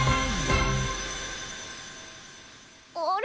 あれ？